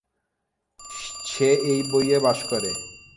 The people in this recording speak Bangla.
সে এই বইয়ে বাস করে।